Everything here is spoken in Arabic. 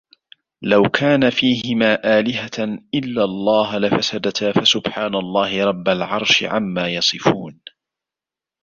لو كان فيهما آلهة إلا الله لفسدتا فسبحان الله رب العرش عما يصفون